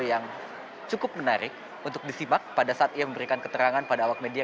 yang cukup menarik untuk disimak pada saat ia memberikan keterangan pada awak media